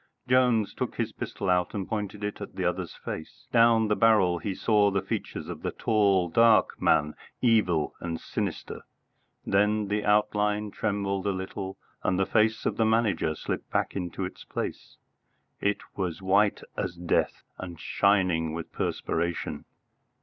Jones took his pistol out and pointed it at the other's face. Down the barrel he saw the features of the tall dark man, evil and sinister. Then the outline trembled a little and the face of the Manager slipped back into its place. It was white as death, and shining with perspiration.